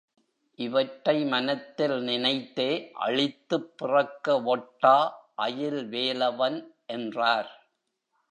இவற்றை மனத்தில் நினைத்தே, அழித்துப் பிறக்க வொட்டா அயில்வேலவன் என்றார்.